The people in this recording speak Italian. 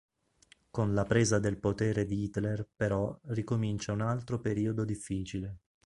Con la presa del potere di Hitler però ricomincia un altro periodo difficile.